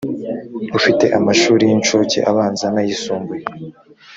ufite amashuri y incuke abanza n ay isumbuye